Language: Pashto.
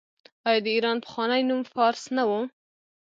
آیا د ایران پخوانی نوم فارس نه و؟